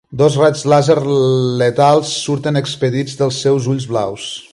Dos raigs làser letals surten expedits dels seus ulls blaus.